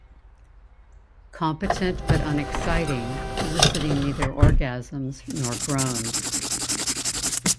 Competent but unexciting eliciting neither orgasms nor groans.